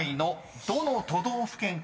どの都道府県か。